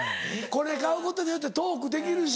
これ買うことによってトークできるし。